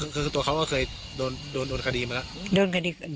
มึงคือตัวเขาก็เคยน้องถูกหลังขงาดีมาแล้ว